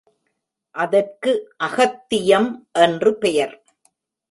அதற்கு அகத்தியம் என்று பெயர்.